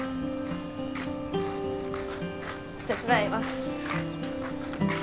手伝います。